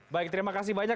baik mas wahyu